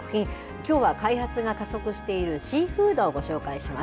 きょうは開発が加速しているシーフードをご紹介します。